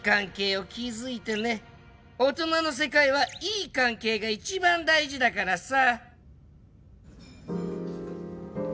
大人の世界はいい関係が一番大事だからさ。